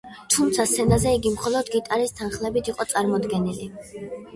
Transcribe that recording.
თუმცა, სცენაზე იგი მხოლოდ გიტარის თანხლებით იყო წარდგენილი.